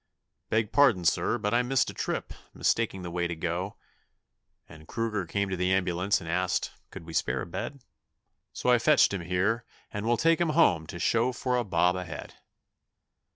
'Beg pardon, sir, but I missed a trip, mistaking the way to go; And Kruger came to the ambulance and asked could we spare a bed, So I fetched him here, and we'll take him home to show for a bob a head.'